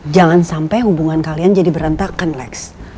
jangan sampai hubungan kalian jadi berantakan lex